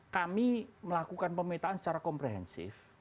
kami melakukan pemetaan secara komprehensif